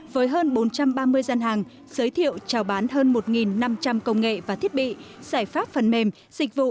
với hơn bốn trăm ba mươi gian hàng giới thiệu trào bán hơn một năm trăm linh công nghệ và thiết bị giải pháp phần mềm dịch vụ